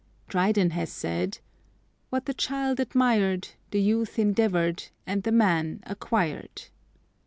Dryden has said: "What the child admired, The youth endeavored, and the man acquired."